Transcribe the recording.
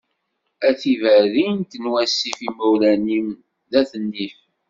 A tiberrint n wasif, imawlan-im d at nnif.